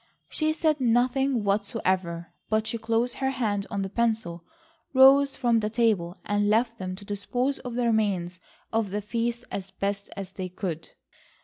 She said nothing whatsoever, but she closed her hand on the pencil, rose from the table, and left them to dispose of the remains of the feast as best they could.